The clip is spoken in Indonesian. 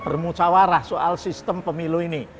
bermucawarah soal sistem pemilu ini